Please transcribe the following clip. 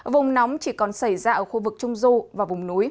vùng nóng chỉ còn xảy ra